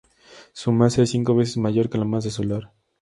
Su masa es cinco veces mayor que la masa solar.